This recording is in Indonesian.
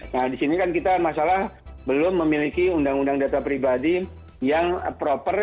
nah di sini kan kita masalah belum memiliki undang undang data pribadi yang proper